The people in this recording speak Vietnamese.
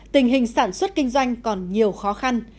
tình hình sản xuất kinh doanh còn nhiều khó khăn